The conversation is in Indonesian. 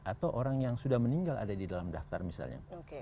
atau orang yang sudah meninggal ada di dalam daftar misalnya